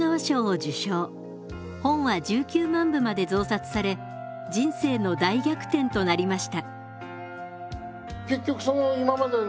本は１９万部まで増刷され人生の大逆転となりました。